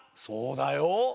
そうだよ。